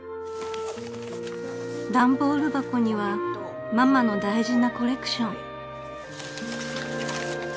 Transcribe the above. ［段ボール箱にはママの大事なコレクション］